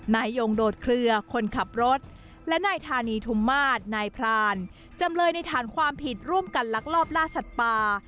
นายยงโดดเคลือคนขับรถและนายธานีทุมมาศนายพรานจำเลยในฐานความผิดร่วมกันลักลอบล่าสัตว์ป่า